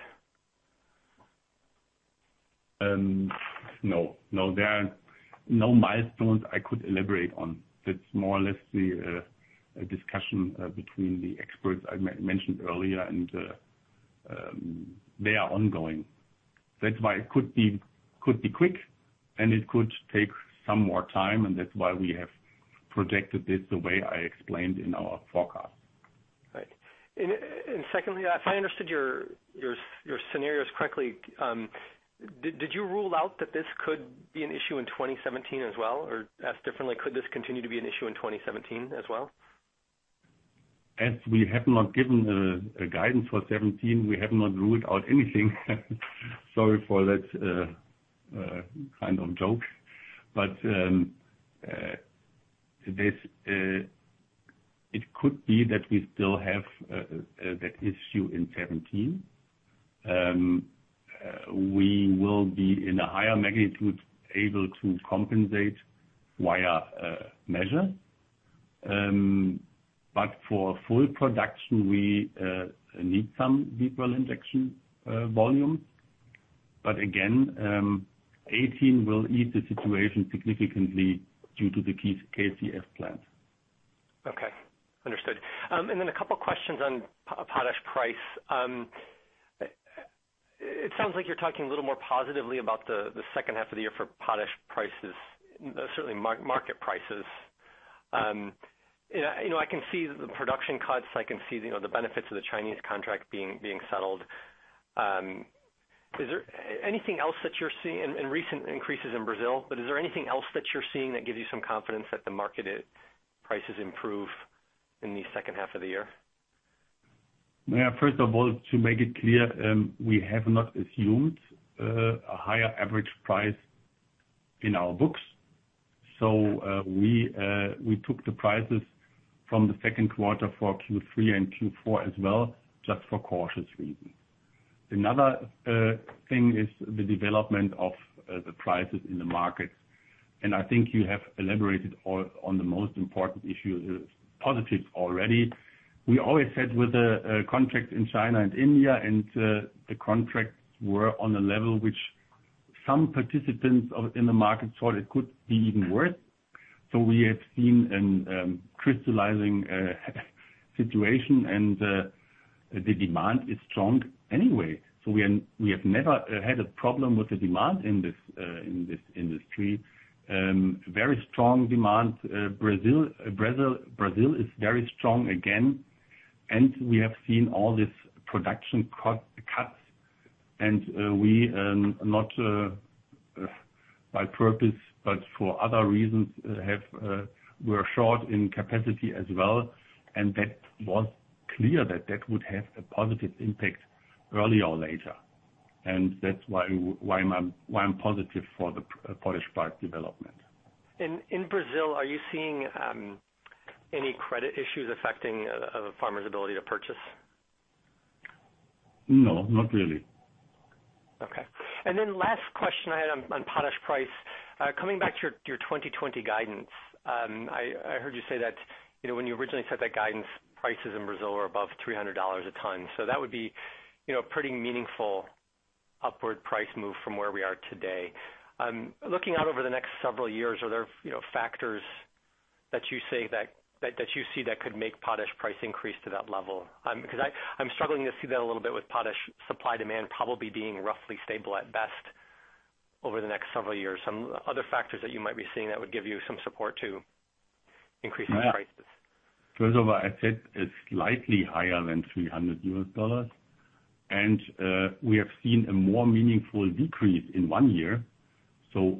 No. There are no milestones I could elaborate on. That's more or less the discussion between the experts I mentioned earlier. They are ongoing. That's why it could be quick. It could take some more time. That's why we have projected this the way I explained in our forecast. Right. Secondly, if I understood your scenarios correctly, did you rule out that this could be an issue in 2017 as well? Asked differently, could this continue to be an issue in 2017 as well? As we have not given a guidance for 2017, we have not ruled out anything. Sorry for that kind of joke. It could be that we still have that issue in 2017. We will be in a higher magnitude able to compensate via measure. For full production, we need some deep well injection volume. Again, 2018 will ease the situation significantly due to the KCF plant. Okay. Understood. A couple questions on potash price. It sounds like you're talking a little more positively about the second half of the year for potash prices, certainly market prices. I can see the production cuts. I can see the benefits of the Chinese contract being settled. Recent increases in Brazil. Is there anything else that you're seeing that gives you some confidence that the market prices improve in the second half of the year? Yeah. First of all, to make it clear, we have not assumed a higher average price in our books. We took the prices from the second quarter for Q3 and Q4 as well, just for cautious reasons. Another thing is the development of the prices in the market. I think you have elaborated on the most important issue, positive already. We always said with the contracts in China and India, and the contracts were on a level which some participants in the market thought it could be even worse. We have seen a crystallizing situation, and the demand is strong anyway. We have never had a problem with the demand in this industry. Very strong demand. Brazil is very strong again, and we have seen all these production cuts, and we, not by purpose, but for other reasons, were short in capacity as well, and that was clear that that would have a positive impact earlier or later. That's why I'm positive for the potash part development. In Brazil, are you seeing any credit issues affecting a farmer's ability to purchase? No, not really. Last question I had on potash price. Coming back to your 2020 guidance. I heard you say that when you originally set that guidance, prices in Brazil were above $300 a ton. That would be a pretty meaningful upward price move from where we are today. Looking out over the next several years, are there factors that you see that could make potash price increase to that level? Because I am struggling to see that a little bit with potash supply-demand probably being roughly stable at best over the next several years. Some other factors that you might be seeing that would give you some support to increasing prices. First of all, I said it is slightly higher than 300 US dollars, We have seen a more meaningful decrease in one year,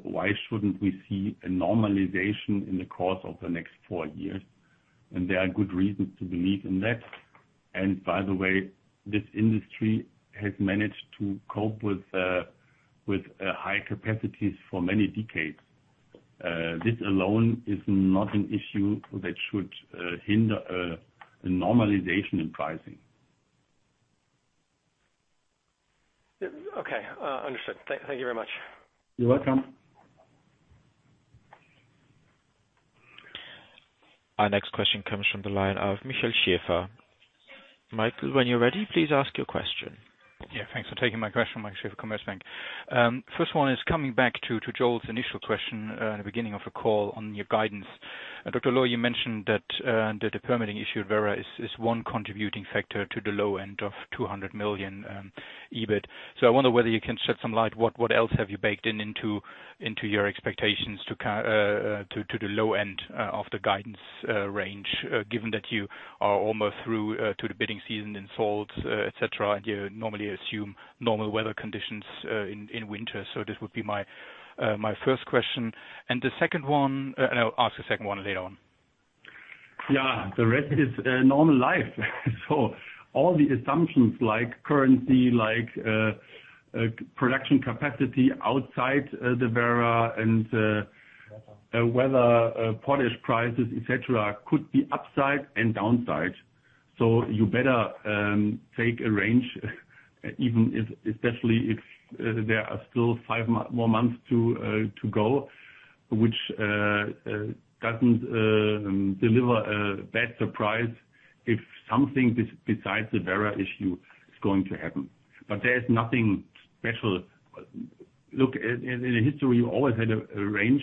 why shouldn't we see a normalization in the course of the next four years? There are good reasons to believe in that. By the way, this industry has managed to cope with high capacities for many decades. This alone is not an issue that should hinder a normalization in pricing. Okay. Understood. Thank you very much. You're welcome. Our next question comes from the line of Michael Schaefer. Michael, when you're ready, please ask your question. Thanks for taking my question. Michael Schaefer, Commerzbank. First one is coming back to Joel's initial question, the beginning of the call on your guidance. Dr. Lohr, you mentioned that the permitting issue at Werra is one contributing factor to the low end of 200 million EBIT. I wonder whether you can shed some light, what else have you baked in into your expectations to the low end of the guidance range, given that you are almost through to the bidding season in salts, et cetera, and you normally assume normal weather conditions in winter. This would be my first question. I'll ask the second one later on. The rest is normal life. All the assumptions like currency, like production capacity outside the Werra and weather, potash prices, et cetera, could be upside and downside. You better take a range even if, especially if there are still five more months to go, which doesn't deliver a better price if something besides the Werra issue is going to happen. There is nothing special. Look, in history, we always had a range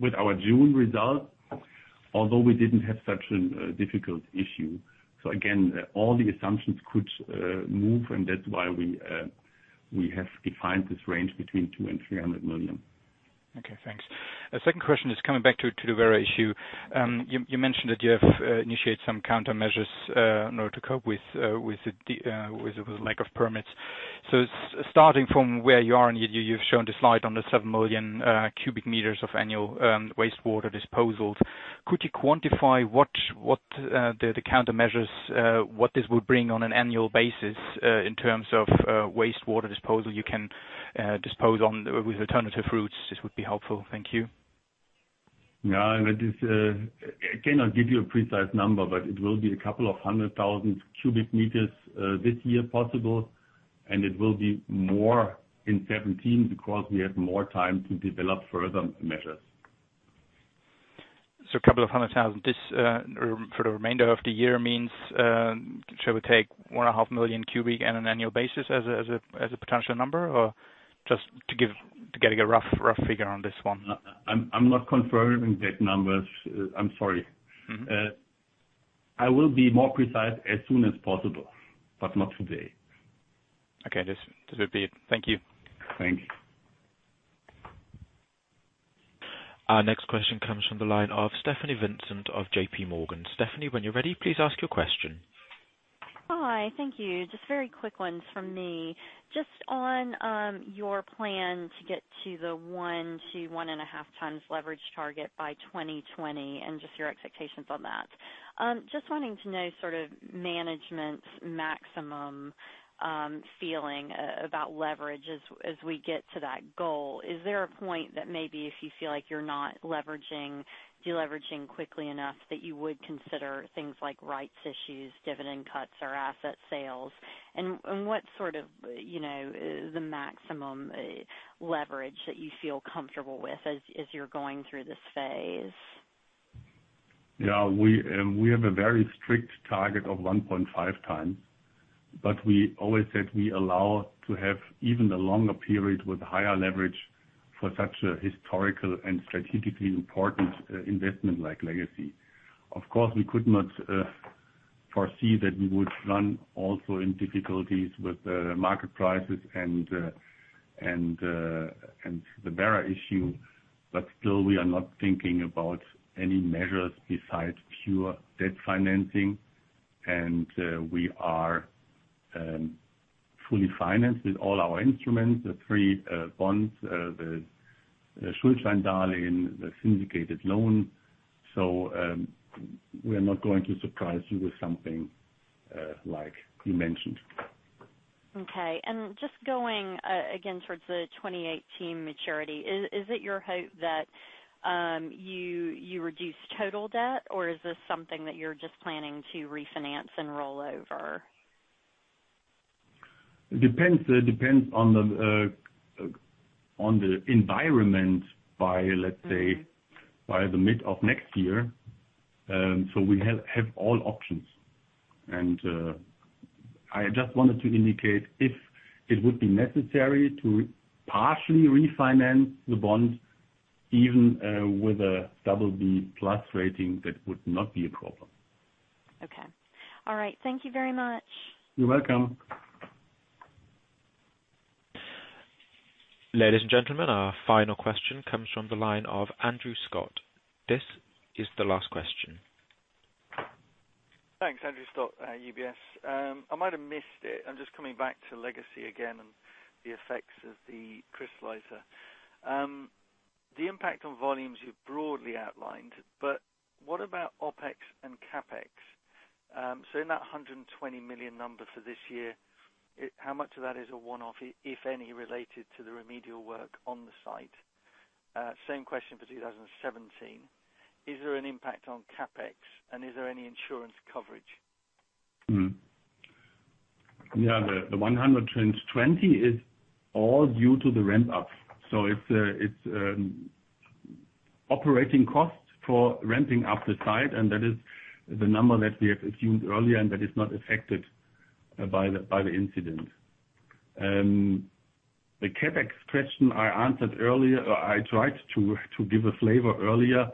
with our June result, although we didn't have such a difficult issue. Again, all the assumptions could move, and that's why we have defined this range between EUR two and 300 million. Okay, thanks. Second question is coming back to the Werra issue. You mentioned that you have initiated some countermeasures to cope with the lack of permits. Starting from where you are, and you've shown the slide on the 7 million cubic meters of annual wastewater disposals. Could you quantify what the countermeasures, what this will bring on an annual basis, in terms of wastewater disposal you can dispose on with alternative routes? This would be helpful. Thank you. Yeah, I cannot give you a precise number, but it will be a couple of hundred thousand cubic meters this year possible, and it will be more in 2017 because we have more time to develop further measures. A couple of hundred thousand this for the remainder of the year means, shall we take one and a half million cubic on an annual basis as a potential number? Just to get a rough figure on this one. I'm not confirming that numbers. I'm sorry. I will be more precise as soon as possible, but not today. Okay. This would be it. Thank you. Thank you. Our next question comes from the line of Stephanie Vincent of JP Morgan. Stephanie, when you're ready, please ask your question. Hi, thank you. Just very quick ones from me. Just on your plan to get to the one to one and a half times leverage target by 2020, and just your expectations on that. Wanting to know sort of management's maximum feeling about leverage as we get to that goal. Is there a point that maybe if you feel like you're not deleveraging quickly enough, that you would consider things like rights issues, dividend cuts, or asset sales? What's sort of the maximum leverage that you feel comfortable with as you're going through this phase? Yeah, we have a very strict target of 1.5 times. We always said we allow to have even a longer period with higher leverage for such a historical and strategically important investment like Legacy. Of course, we could not foresee that we would run also into difficulties with the market prices and the Werra issue. Still, we are not thinking about any measures besides pure debt financing. We are fully financed with all our instruments, the three bonds, the Schuldscheindarlehen, the syndicated loan. We are not going to surprise you with something like you mentioned. Okay. Just going again towards the 2018 maturity, is it your hope that you reduce total debt, or is this something that you're just planning to refinance and roll over? It depends on the environment by, let's say, by the mid of next year. We have all options. I just wanted to indicate if it would be necessary to partially refinance the bonds even with a BB+ rating, that would not be a problem. Okay. All right. Thank you very much. You're welcome. Ladies and gentlemen, our final question comes from the line of Andrew Scott. This is the last question. Thanks. Andrew Scott, UBS. I might have missed it. I'm just coming back to Legacy again and the effects of the crystallizer. The impact on volumes you've broadly outlined, but what about OpEx and CapEx? In that 120 million number for this year, how much of that is a one-off, if any, related to the remedial work on the site? Same question for 2017. Is there an impact on CapEx and is there any insurance coverage? Yeah, the 120 is all due to the ramp up. It's operating costs for ramping up the site, and that is the number that we have assumed earlier, and that is not affected by the incident. The CapEx question I answered earlier. I tried to give a flavor earlier.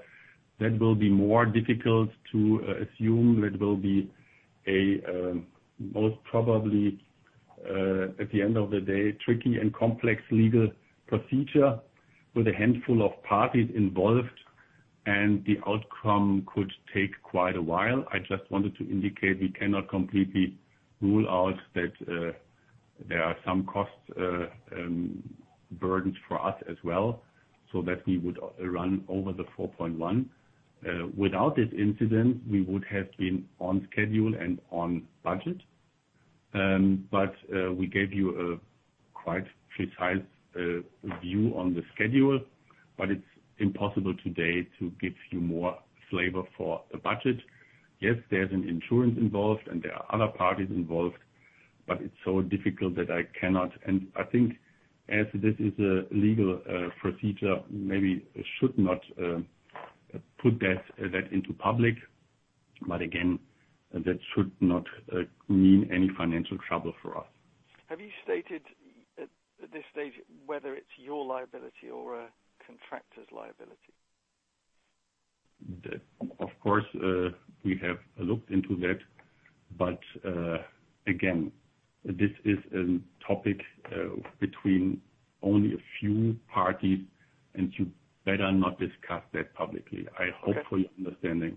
That will be more difficult to assume. That will be a most probably, at the end of the day, tricky and complex legal procedure with a handful of parties involved, and the outcome could take quite a while. I just wanted to indicate we cannot completely rule out that there are some cost burdens for us as well, so that we would run over the 4.1. Without this incident, we would have been on schedule and on budget. We gave you a quite precise view on the schedule, but it's impossible today to give you more flavor for the budget. Yes, there's an insurance involved and there are other parties involved, but it's so difficult that I cannot. I think as this is a legal procedure, maybe should not put that into public. Again, that should not mean any financial trouble for us. Have you stated at this stage whether it's your liability or a contractor's liability? Of course, we have looked into that. Again, this is a topic between only a few parties, and you better not discuss that publicly. I hope for your understanding.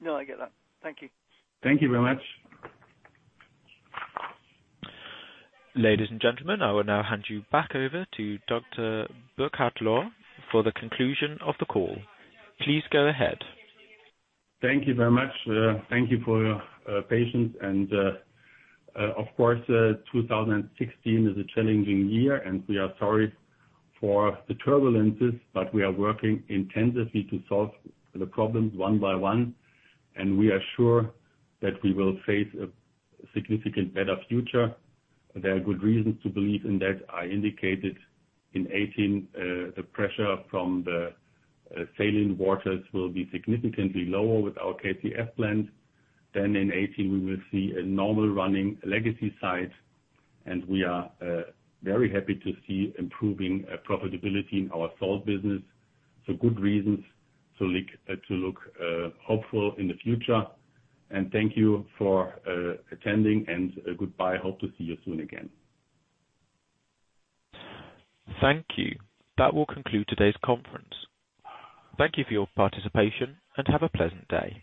No, I get that. Thank you. Thank you very much. Ladies and gentlemen, I will now hand you back over to Dr. Burkhard Lohr for the conclusion of the call. Please go ahead. Thank you very much. Thank you for your patience. Of course, 2016 is a challenging year and we are sorry for the turbulences, but we are working intensively to solve the problems one by one, and we are sure that we will face a significantly better future. There are good reasons to believe in that. I indicated in 2018, the pressure from the saline waters will be significantly lower with our KCF plant. In 2018, we will see a normal running Legacy site, and we are very happy to see improving profitability in our salt business. Good reasons to look hopeful in the future. Thank you for attending and goodbye. Hope to see you soon again. Thank you. That will conclude today's conference. Thank you for your participation and have a pleasant day.